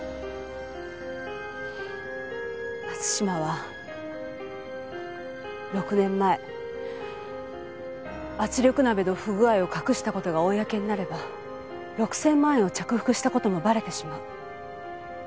松島は６年前圧力鍋の不具合を隠した事が公になれば６０００万円を着服した事もバレてしまう。